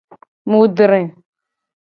Mu dre.